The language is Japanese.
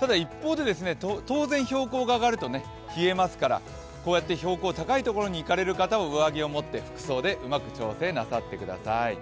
ただ一方で当然、標高が上がると冷えますからこうやって標高高い所に行かれる方は上着を持って服装でうまく調整なさってください。